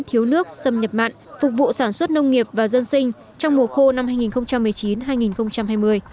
thiếu nước xâm nhập mặn phục vụ sản xuất nông nghiệp và dân sinh trong mùa khô năm hai nghìn một mươi chín hai nghìn hai mươi